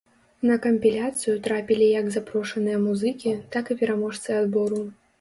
На кампіляцыю трапілі як запрошаныя музыкі, так і пераможцы адбору.